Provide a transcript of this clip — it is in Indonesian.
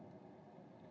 lalu yang berikutnya